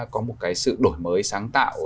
có một cái sự đổi mới sáng tạo